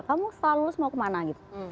kamu selalu mau kemana gitu